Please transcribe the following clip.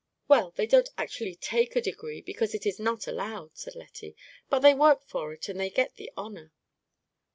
"Well, they don't actually take a degree, because it is not allowed," said Lettie; "but they work for it, and they get the honor."